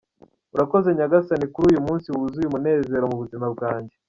"Urakoze Nyagasani kuri uyu munsi wuzuye umunezero mu buzima bwanjye !